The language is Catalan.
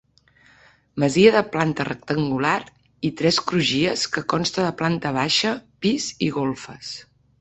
Masia de planta rectangular i tres crugies que consta de planta baixa, pis i golfes.